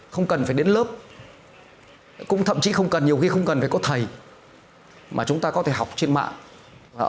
không cần phải đến lớp cũng thậm chí không cần nhiều khi không cần phải có thầy mà chúng ta có thể học trên mạng